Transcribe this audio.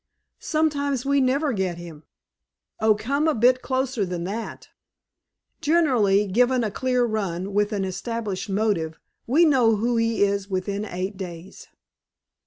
"Sometimes we never get him." "Oh, come a bit closer than that." "Generally, given a clear run, with an established motive, we know who he is within eight days."